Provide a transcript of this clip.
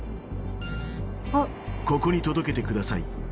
あっ。